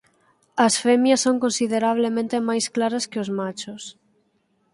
As femias son considerablemente máis claras que os machos.